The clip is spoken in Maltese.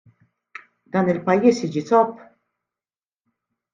Dan il-pajjiż jiġi zopp!